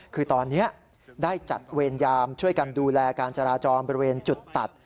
คือตอนนี้ได้จัดเวรยามช่วยกันดูแลการจราจรบริเวณจุดตัด